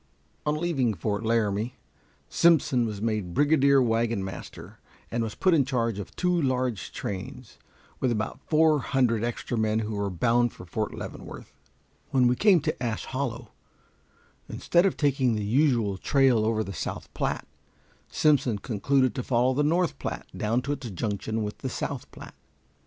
On leaving Fort Laramie, Simpson was made brigadier wagon master, and was put in charge of two large trains, with about four hundred extra men who were bound for Fort Leavenworth. When we came to Ash Hollow, instead of taking the usual trail over to the South Platte, Simpson concluded to follow the North Platte down to its junction with the South Platte.